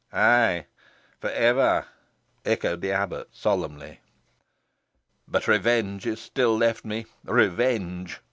"Ay, for ever!" echoed the abbot, solemnly. "But revenge is still left me revenge!"